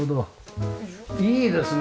いいですね